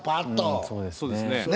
うんそうですね。